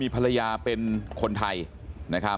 ภรรยาเป็นคนไทยนะครับ